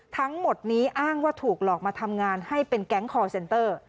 ทั้งหมดนี้อ้างว่าถูกหลอกมาทำงานให้เป็นแก๊งคอร์เซนเตอร์